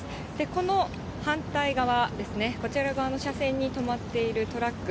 この反対側ですね、こちら側の車線に止まっているトラック。